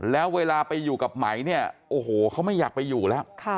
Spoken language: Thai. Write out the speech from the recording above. แล้วเวลาไปอยู่กับไหมเนี่ยโอ้โหเขาไม่อยากไปอยู่แล้ว